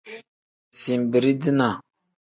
Zinbirii-dinaa.